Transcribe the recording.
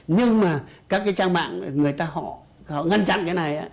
nhưng mà các cái trang mạng người ta họ ngăn chặn cái này